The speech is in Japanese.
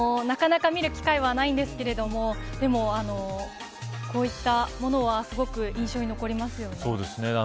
なかなか見る機会はないんですけれどもでも、こういったものはすごく印象に残りますよね。